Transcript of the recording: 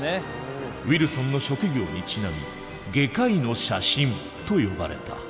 ウィルソンの職業にちなみ「外科医の写真」と呼ばれた。